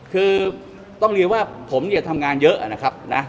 คือต้องเรียนว่าผมเนี่ยทำงานเยอะนะครับนะ